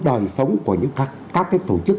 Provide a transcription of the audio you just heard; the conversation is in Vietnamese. đời sống của những các cái tổ chức